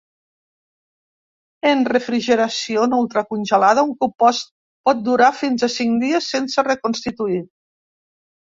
En refrigeració no ultracongelada, un compost pot durar fins a cinc dies sense reconstituir.